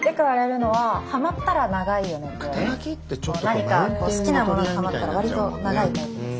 何か好きなものにハマったら割と長いタイプです。